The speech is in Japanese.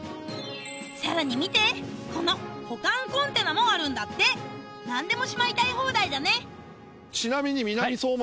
さらに見てこの保管コンテナもあるんだって何でもしまいたい放題だね